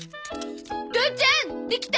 父ちゃんできた？